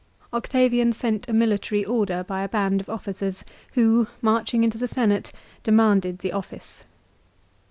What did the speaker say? Octavian sent a military order by a band of officers, who, marching into the Senate, demanded the office.